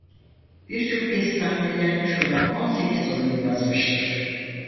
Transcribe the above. Birçok kez sahnelenmiş olan on sekiz oyun yazmıştır.